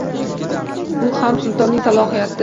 U ham sultonning salohiyati.